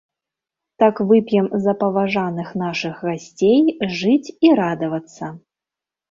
Так вып'ем за паважаных нашых гасцей, жыць і радавацца.